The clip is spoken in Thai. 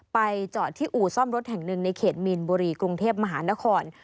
จอดที่อู่ซ่อมรถแห่งหนึ่งในเขตมีนบุรีกรุงเทพมหานคร